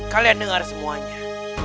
kalian dengar semuanya